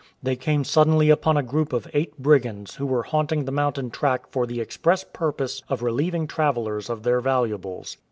They came suddenly upon a group of eight brigands who were haunting the mountain track for the express purpose of relieving travellers of their valuables.